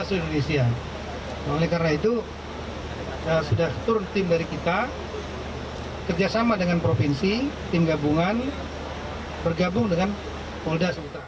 ini karena itu sudah turun tim dari kita kerjasama dengan provinsi tim gabungan bergabung dengan kapolda sutera